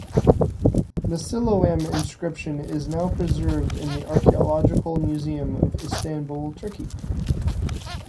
The Siloam inscription is now preserved in the Archeological Museum of Istanbul, Turkey.